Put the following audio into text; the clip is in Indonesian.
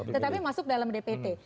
tetapi masuk dalam dpt